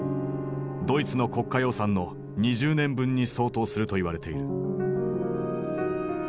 ドイツの国家予算の２０年分に相当すると言われている。